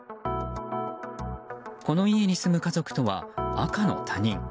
この家に住む家族とは赤の他人。